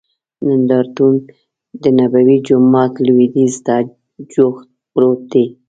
نندارتون دنبوي جومات لوید یځ ته جوخت پروت دی.